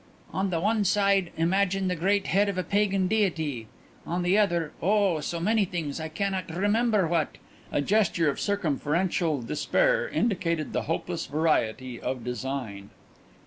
On the one side imagine the great head of a pagan deity; on the other oh, so many things I cannot remember what." A gesture of circumferential despair indicated the hopeless variety of design.